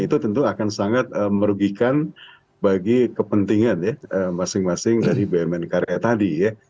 itu tentu akan sangat merugikan bagi kepentingan ya masing masing dari bumn karya tadi ya